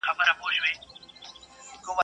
پردى مال نه خپلېږي.